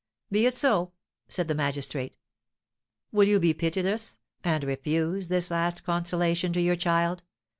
"Be it so," said the magistrate. "Will you be pitiless, and refuse this last consolation to your child?"